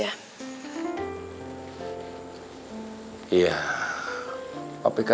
aku cuma lagi kangen sama mami aja